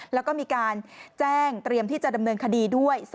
แล้วก็มีการแจ้งเตรียมที่จะดำเนินคดีด้วย